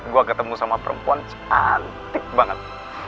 gue ketemu sama perempuan cantik banget